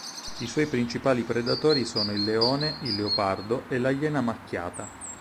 I suoi principali predatori sono il leone, il leopardo e la iena macchiata.